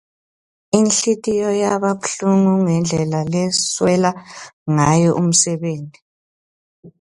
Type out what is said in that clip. Inhlitiyo yaba buhlungu ngendlela laswela ngayo umsebenti.